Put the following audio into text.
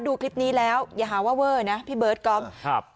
ดูคลิปนี้แล้วอย่าหาว่าเวอร์นะพี่เบิร์ตก๊อฟครับ